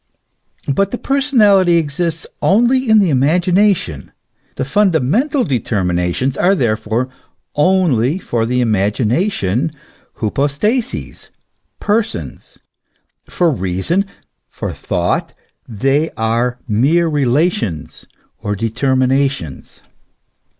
But the personality exists only in the imagination; the funda mental determinations are therefore only for the imagination hypostases, persons ; for reason, for thought, they are mere relations or determinations.